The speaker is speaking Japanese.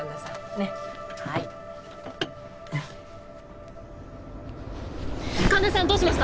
ねっはい神田さんどうしました！？